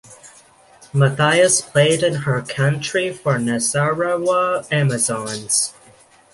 Mathias played in her country for Nasarawa Amazons.